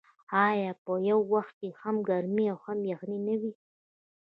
آیا په یو وخت کې هم ګرمي او هم یخني نه وي؟